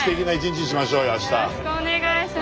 よろしくお願いします。